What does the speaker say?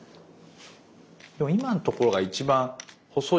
でも今のところが一番細い。